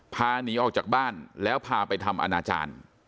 พาหนีออกจากบ้านแล้วพาไปทำอนาจารย์